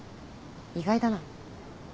意外だな。